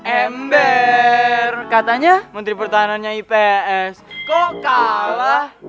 ember katanya menteri pertahanannya its kok kalah